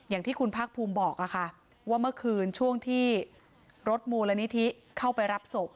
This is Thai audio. อย่างที่คุณภาคภูมิบอกค่ะว่าเมื่อคืนช่วงที่รถมูลนิธิเข้าไปรับศพ